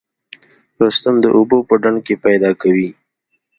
رستم د اوبو په ډنډ کې پیدا کوي.